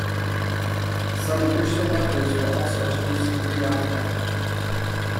Some additional letters were also introduced into the alphabet.